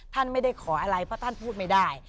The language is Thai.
ท่านไม่ได้ขออะไรเพราะท่านพูดไม่ได้